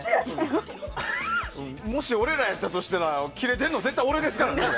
もし、俺らやったとしたら切れてるの絶対俺ですからね。